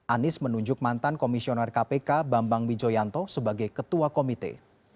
anies menunjuk mantan komisioner kpk bambang wijoyanto sebagai ketua komite